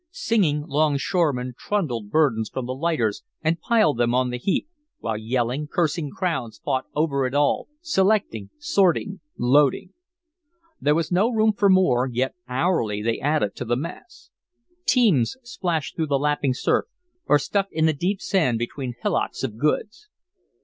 Singing longshoremen trundled burdens from the lighters and piled them on the heap, while yelling, cursing crowds fought over it all, selecting, sorting, loading. There was no room for more, yet hourly they added to the mass. Teams splashed through the lapping surf or stuck in the deep sand between hillocks of goods.